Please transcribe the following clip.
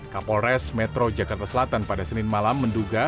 kapolres metro jakarta selatan pada senin malam menduga